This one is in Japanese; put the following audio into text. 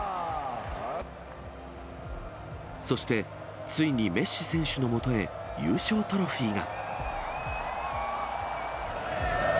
そして、ついにメッシ選手のもとへ優勝トロフィーが。